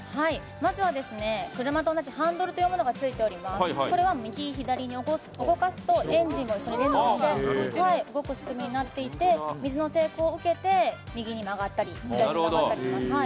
まずは車と同じハンドルというものがついております、右左に動かすとエンジンも一緒に連動して動く仕組みになっていて水の抵抗を受けて、右に曲がったり左に曲がったりします。